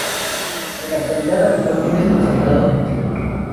En la actualidad, habitualmente es considerado ofensivo.